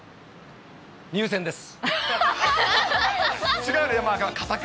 入選です。